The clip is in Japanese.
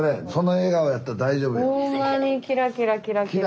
ほんまにキラキラキラキラ。